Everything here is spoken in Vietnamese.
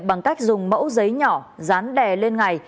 bằng cách dùng mẫu giấy nhỏ dán đè lên ngày